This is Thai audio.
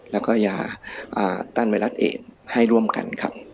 และก็ยาต้านไวรัสเอ็ดให้ร่วมกัน